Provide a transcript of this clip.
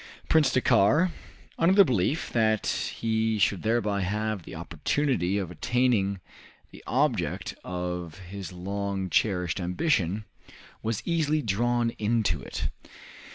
Prince Dakkar, under the belief that he should thereby have the opportunity of attaining the object of his long cherished ambition, was easily drawn into it.